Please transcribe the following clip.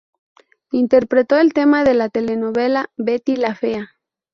Interpretó el tema de la telenovela "Betty la fea".